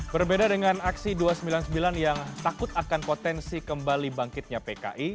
berbeda dengan aksi dua ratus sembilan puluh sembilan yang takut akan potensi kembali bangkitnya pki